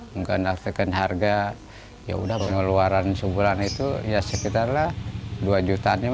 mungkin nartikan harga yaudah pengeluaran sebulan itu ya sekitar dua jutaan